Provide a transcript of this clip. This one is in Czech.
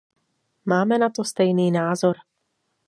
Máme na to stejný názor.